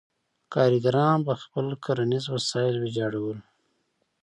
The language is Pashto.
کارګران به خپل کرنیز وسایل ویجاړول.